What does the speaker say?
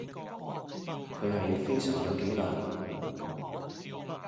佢係非常有紀律